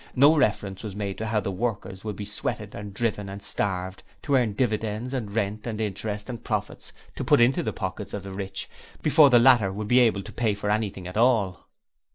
No reference was made to how the workers would be sweated and driven and starved to earn Dividends and Rent and Interest and Profits to put into the pockets of the rich before the latter would be able to pay for anything at all.